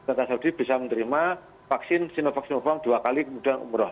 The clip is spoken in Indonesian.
pemerintah saudi bisa menerima vaksin sinovac sinovac dua kali kemudian umroh